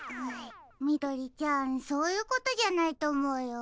みどりちゃんそういうことじゃないとおもうよ。